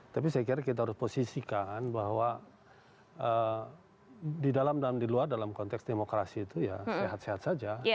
tapi saya kira kita harus posisikan bahwa di dalam di luar dalam konteks demokrasi itu ya sehat sehat saja